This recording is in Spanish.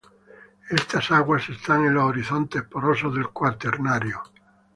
Estas aguas están en los horizontes porosos del cuaternario.